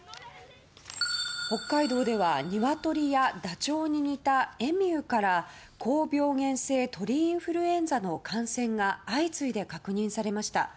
北海道では、ニワトリやダチョウに似たエミューから高病原性鳥インフルエンザの感染が相次いで確認されました。